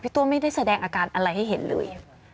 ตัวไม่ได้แสดงอาการอะไรให้เห็นเลย